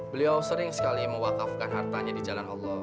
beliau sering sekali mewakafkan hartanya di jalan allah